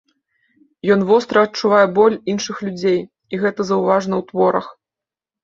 Ён востра адчувае боль іншых людзей, і гэта заўважна ў творах.